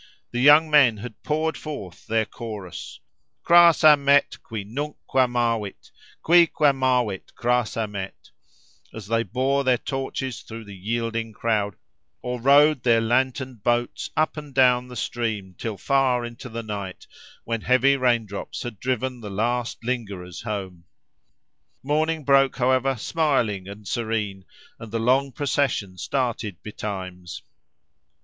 The young men had poured forth their chorus— Cras amet qui nunquam amavit, Quique amavit cras amet— as they bore their torches through the yielding crowd, or rowed their lanterned boats up and down the stream, till far into the night, when heavy rain drops had driven the last lingerers home. Morning broke, however, smiling and serene; and the long procession started betimes.